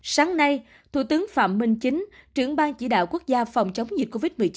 sáng nay thủ tướng phạm minh chính trưởng ban chỉ đạo quốc gia phòng chống dịch covid một mươi chín